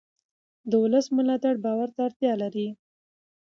د ولس ملاتړ باور ته اړتیا لري